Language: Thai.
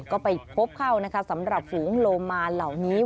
ก็ไปพบเข้านะคะสำหรับฝูงโลมานเหล่านี้